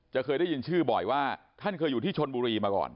เคยได้ยินชื่อบ่อยว่าท่านเคยอยู่ที่ชนบุรีมาก่อน